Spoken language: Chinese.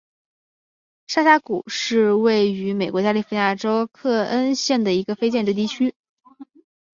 沙峡谷是位于美国加利福尼亚州克恩县的一个非建制地区。